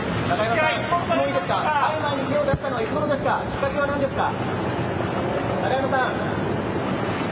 大麻に手を出したのはいつごろですか、きっかけは何ですか。